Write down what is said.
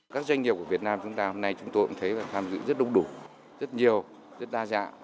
các doanh nghiệp của việt nam chúng ta hôm nay chúng tôi cũng thấy và tham dự rất đông đủ rất nhiều rất đa dạng